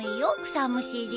草むしり。